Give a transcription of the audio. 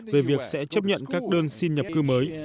về việc sẽ chấp nhận các đơn xin nhập cư mới